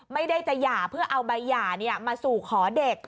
ไม่ได้จะหย่าเพื่อเอาใบหย่ามาสู่ขอเด็ก